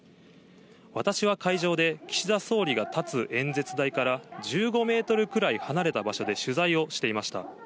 私は会場で、岸田総理が立つ演説台から１５メートルくらい離れた場所で取材をしていました。